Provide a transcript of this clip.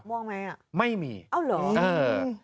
ม่วงไหมอ่ะไม่มีเอ้าเหรอเออ